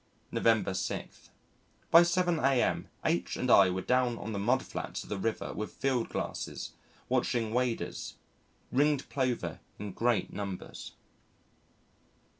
November 6. By 7 a.m. H and I were down on the mudflats of the River with field glasses, watching Waders. Ringed Plover in great numbers.